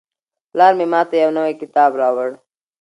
پلار مې ماته یو نوی کتاب راوړ.